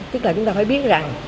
tức là chúng ta phải biết rằng